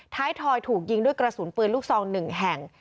ทอยถูกยิงด้วยกระสุนปืนลูกซอง๑แห่ง